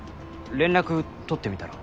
連絡取ってみたら？